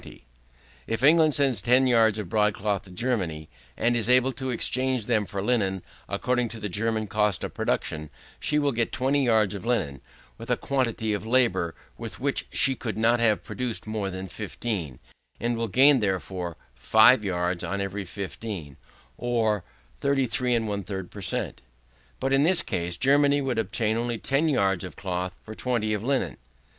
If England sends 10 yards of broad cloth to Germany, and is able to exchange them for linen according to the German cost of production, she will get 20 yards of linen, with a quantity of labour with which she could not have produced more than 15; and will gain, therefore, 5 yards on every 15, or 33 1/3 per cent. But in this case Germany would obtain only 10 yards of cloth for 20 of linen.